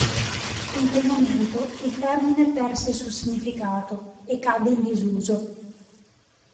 In quel momento, il termine perse il suo significato e cadde in disuso.